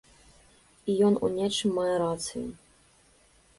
І ён у нечым мае рацыю.